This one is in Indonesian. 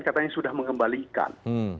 katanya sudah mengembalikan